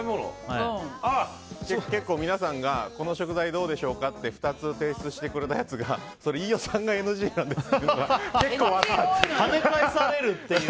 結構、皆さんがこの食材どうでしょうかって２つ提出してくれたやつが飯尾さんがＮＧなんですっていうのが結構あったという。